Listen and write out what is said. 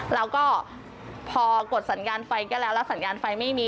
แล้วก็พอกดสัญญาณไฟก็แล้วแล้วสัญญาณไฟไม่มี